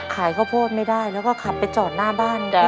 ข้าวโพดไม่ได้แล้วก็ขับไปจอดหน้าบ้าน